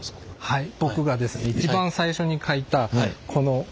はい。